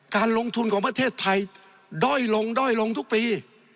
การลงทุนของประเทศไทยด้อยลงด้อยลงทุกปี